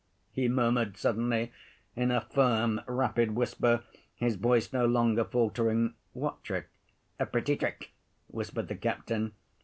he murmured, suddenly, in a firm rapid whisper, his voice no longer faltering. "What trick?" "A pretty trick," whispered the captain.